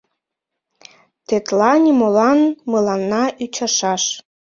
Тетла нимолан мыланна ӱчашаш.